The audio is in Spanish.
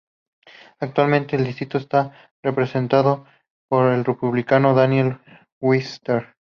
Actualmente el distrito está representado por el Republicano Daniel Webster.